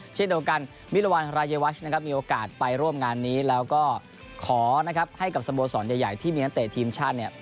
เช่นเดียวกันมิรวรรณรายวัชนะครับมีโอกาสไปร่วมงานนี้แล้วก็ขอนะครับให้กับสโมสรใหญ่ที่มีนักเตะทีมชาติเนี่ย